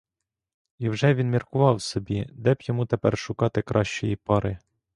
І вже він міркував собі, де б йому тепер шукати кращої пари.